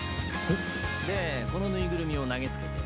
ん？でこの縫いぐるみを投げつけて。